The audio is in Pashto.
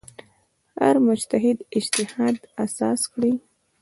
هر مجتهد اجتهاد اساس کړی.